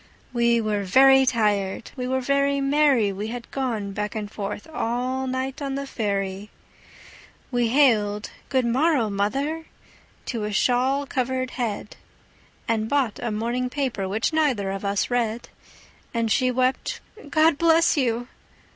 We were very tired, we were very merry, We had gone back and forth all night on the ferry, We hailed "Good morrow, mother!" to a shawl covered head, And bought a morning paper, which neither of us read; And she wept, "God bless you!"